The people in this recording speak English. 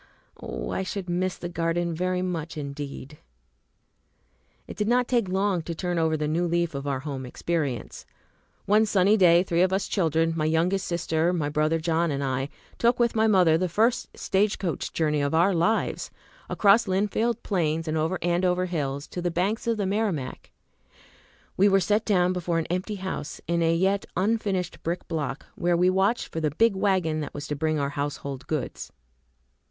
Oh, I should miss the garden very much indeed! It did not take long to turn over the new leaf of our home experience. One sunny day three of us children, my youngest sister, my brother John, and I, took with my mother the first stage coach journey of our lives, across Lynnfield plains and over Andover hills to the banks of the Merrimack. We were set down before an empty house in a yet unfinished brick block, where we watched for the big wagon that was to bring our household goods.